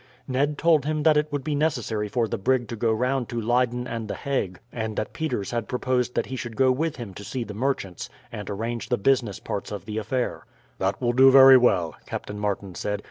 Ned told him that it would be necessary for the brig to go round to Leyden and the Hague, and that Peters had proposed that he should go with him to see the merchants, and arrange the business parts of the affair. "That will do very well," Captain Martin said.